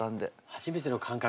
初めての感覚で。